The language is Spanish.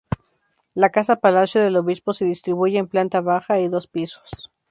La Casa Palacio del Obispo se distribuye en planta baja y dos pisos.